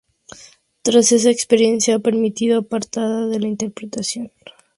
Tras esa experiencia, ha permanecido apartada de la interpretación.